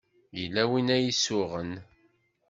Yella win ay isuɣen.